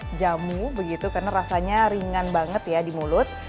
saya coba jamu karena rasanya ringan banget di mulut